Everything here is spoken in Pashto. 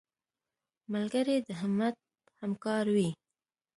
ملګری د همت همکار وي